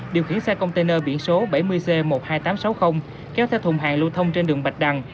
điều khiển xe container biển số bảy mươi c một mươi hai nghìn tám trăm sáu mươi kéo theo thùng hàng lưu thông trên đường bạch đăng